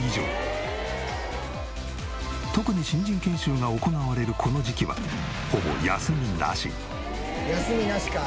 特に新人研修が行われるこの時期は「休みなしか」